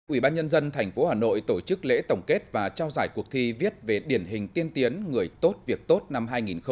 ủy ban nhân dân tp hà nội tổ chức lễ tổng kết và trao giải cuộc thi viết về điển hình tiên tiến người tốt việc tốt năm hai nghìn một mươi chín